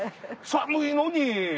寒いのに。